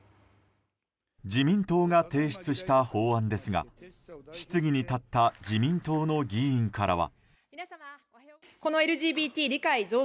自民党が提出した法案ですが質疑に立った自民党の議員からは。